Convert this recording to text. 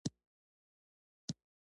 دا څه ډول خوراک ده او څنګه پخیږي